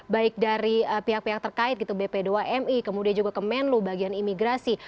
baik dari pihak pihak terkait gitu bp dua mi kemudian juga kemenlu bagian imigrasi